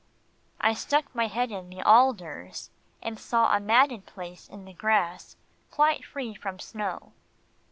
I stuck my head in the alders, and saw a matted place in the grass quite free from snow.